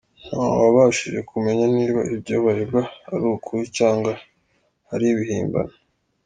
Ntawabashije kumenya niba ibyo baregwa ari ukuri cyangwa ari ibihimbano!